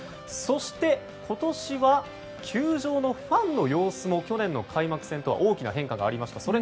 そして、今年は球場のファンの様子も去年の開幕戦とは大きな変化がありました。